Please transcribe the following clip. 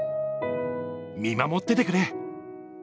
見守っててくれ。